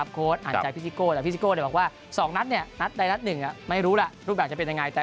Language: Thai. ของจ้ะอว่าสอกนัดเนี่ยล่ะล่ะได้มัน๑ล่ะไม่รู้ล่ะรูปแบบจะ